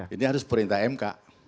ini harus perintah mk